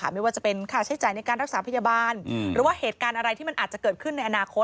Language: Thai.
ไม่ว่าจะเป็นค่าใช้จ่ายในการรักษาพยาบาลหรือว่าเหตุการณ์อะไรที่มันอาจจะเกิดขึ้นในอนาคต